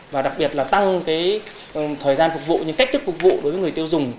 và đặc biệt là tăng cái thời gian phục vụ những cách thức phục vụ đối với người tiêu dùng